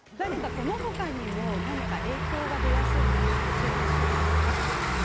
この他にも何か影響が出やすい生活習慣がありますか？